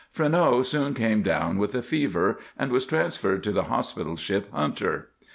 Freneau soon came down with a fever and was transferred to the hospital ship Hunter.